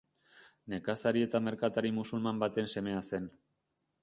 Nekazari eta merkatari musulman baten semea zen.